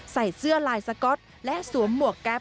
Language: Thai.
ใส่เสื้อลายสก๊อตและสวมหมวกแก๊ป